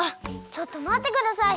ちょっとまってください！